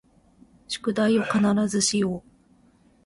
宿題を必ずしよう